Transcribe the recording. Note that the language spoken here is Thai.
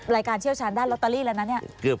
เชี่ยวชาญด้านลอตเตอรี่แล้วนะเนี่ย